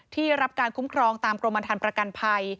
ที่รับการคุ้มครองตามกรมฐานประกันภัย